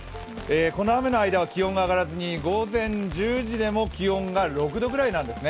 この雨の間は気温が上がらずに午前１０時でも気温が６度くらいなんですね。